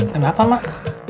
kenyang apa mak